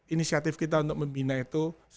inisiatif kita untuk membina itu